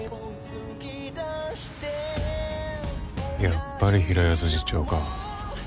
やっぱり平安次長か。